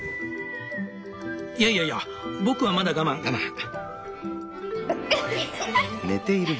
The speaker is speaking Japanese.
いやいやいや僕はまだ我慢我慢。